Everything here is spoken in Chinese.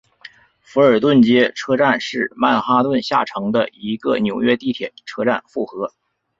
福尔顿街车站是曼哈顿下城的一个纽约地铁车站复合。